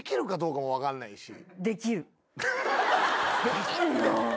できるよ。